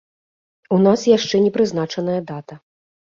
У нас яшчэ не прызначаная дата.